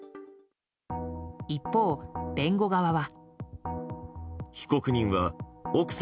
一方、弁護側は。